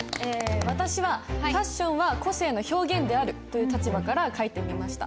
私はファッションは個性の表現であるという立場から書いてみました。